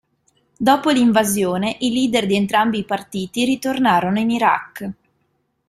Dopo l'invasione, i leader di entrambi i partiti ritornarono in Iraq.